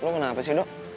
lo kenapa sih dok